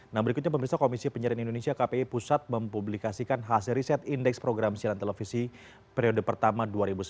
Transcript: nah berikutnya pemirsa komisi penyiaran indonesia kpi pusat mempublikasikan hasil riset indeks program siaran televisi periode pertama dua ribu sembilan belas